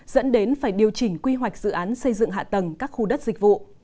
dẫn đến phải điều chỉnh quy hoạch dự án xây dựng hạ tầng các khu đất dịch vụ